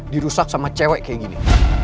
dirusak sama cewek kayak gini